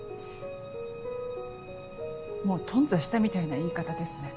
もう頓挫したみたいな言い方ですね。